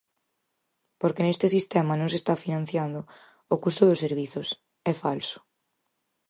Porque neste sistema non se está financiando o custo dos servizos, é falso.